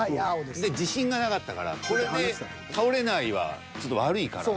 で自信がなかったからこれで倒れないはちょっと悪いから。